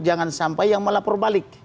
jangan sampai yang melapor balik